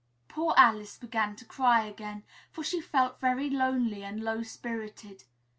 Poor Alice began to cry again, for she felt very lonely and low spirited.